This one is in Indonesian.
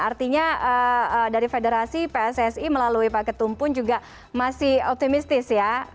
artinya dari federasi pssi melalui pak ketum pun juga masih optimistis ya